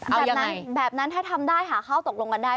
เอายังไงแบบนั้นถ้าทำได้หาเข้าตกลงกันได้